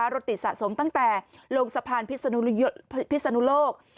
รถติดสะสมตั้งแต่ลงสะพานพิศนุโลก